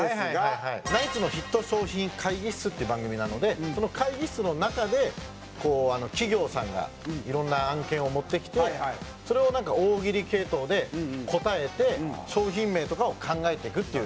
『ナイツのＨＩＴ商品会議室』っていう番組なのでその会議室の中でこう企業さんがいろんな案件を持ってきてそれをなんか大喜利系統で答えて商品名とかを考えていくっていう。